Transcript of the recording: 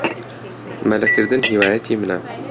مەلەکردن هیوایەتی منە.